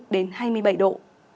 đến hai mươi bảy độ